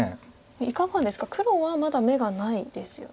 いかがですか黒はまだ眼がないですよね。